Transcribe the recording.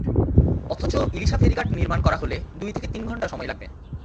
অথচ ইলিশা ফেরিঘাট নির্মাণ করা হলে দুই থেকে তিন ঘণ্টা সময় লাগবে।